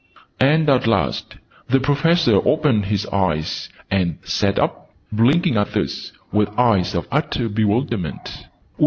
And at last the Professor opened his eyes, and sat up, blinking at us with eyes of utter bewilderment.